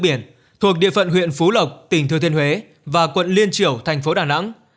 biển thuộc địa phận huyện phú lộc tỉnh thừa thiên huế và quận liên triều thành phố đà nẵng